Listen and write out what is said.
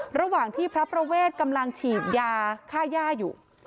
ระหว่างที่พระประเวทกำลังฉีดยาค่าย่าอยู่